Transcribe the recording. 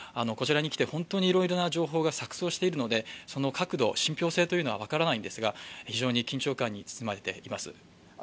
こちらに来て本当にいろいろな情報が錯そうしているのでその確度、信ぴょう性は分からないのですが非常に緊張感に包まれています。